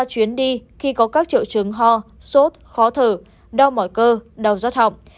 chuyến đi khi có các triệu chứng ho sốt khó thử đau mỏi cơ đau giác họng